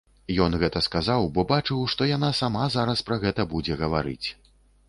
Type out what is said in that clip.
Ён гэта сказаў, бо бачыў, што яна сама зараз пра гэта будзе гаварыць.